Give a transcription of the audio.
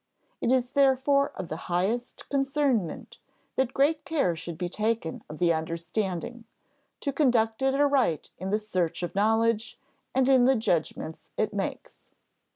It is therefore of the highest concernment that great care should be taken of the understanding, to conduct it aright in the search of knowledge and in the judgments it makes."